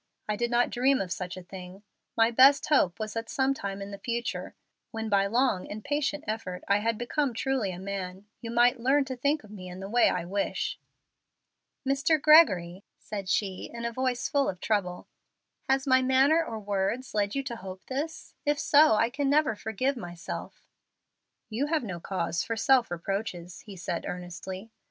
I did not dream of such a thing. My best hope was that some time in the future, when by long and patient effort I had become truly a man, you might learn to think of me in the way I wish." "Mr. Gregory," said she, in a voice full of trouble, "has my manner or words led you to hope this? If so, I can never forgive myself." "You have no cause for self reproaches," he said, earnestly.